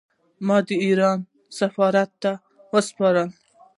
ما دې د ایران سفارت ته وسپاري.